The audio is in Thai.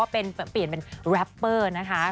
เพราะว่าเปลี่ยนเป็นแรปเปอร์นะคะ